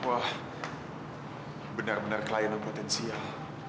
wah benar benar klien yang potensial